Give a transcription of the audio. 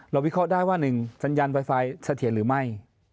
วิเคราะห์ได้ว่า๑สัญญาณไฟเสถียรหรือไม่